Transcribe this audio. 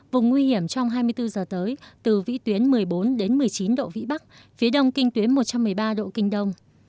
vùng nguy hiểm trong hai mươi bốn giờ tới từ vĩ tuyến một mươi bốn một mươi chín độ vĩ bắc phía đông kinh tuyến một trăm một mươi ba độ kinh đông